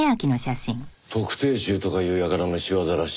特定厨とか言う輩の仕業らしいね。